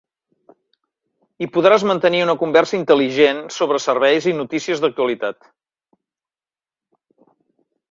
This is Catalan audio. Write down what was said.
Hi podràs mantenir una conversa intel·ligent sobre serveis i notícies d'actualitat.